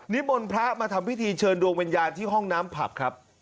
มนต์พระมาทำพิธีเชิญดวงวิญญาณที่ห้องน้ำผับครับ